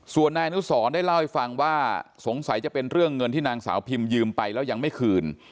ส่วนนายอนุสรได้เล่าให้ฟังว่าสงสัยจะเป็นเรื่องเงินที่นางสาวพิมยืมไปแล้วยังไม่คืน